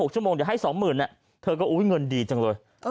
ชั่วโมงเดี๋ยวให้๒๐๐๐เธอก็อุ๊ยเงินดีจังเลย